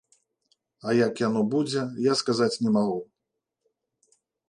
А як яно будзе, я сказаць не магу.